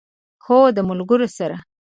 هو، د ملګرو سره